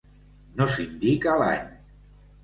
No s'indica l'any.